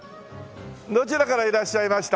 どちらからいらっしゃいました？